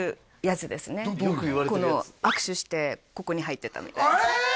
この握手してここに入ってたみたいなえ！